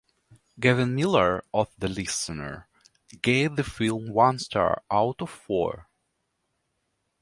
Gavin Millar of "The Listener" gave the film one star out of four.